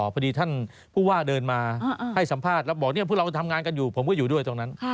พอดีท่านผู้ว่าเดินมาให้สัมภาษณ์แล้วบอกพวกเราทำงานกันอยู่ผมก็อยู่ด้วยตรงนั้น